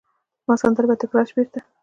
زما سندره به تکرار شي بیرته